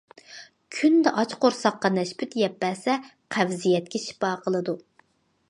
كۈندە ئاچ قورساققا نەشپۈت يەپ بەرسە قەۋزىيەتكە شىپا قىلىدۇ.